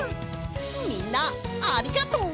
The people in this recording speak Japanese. みんなありがとう！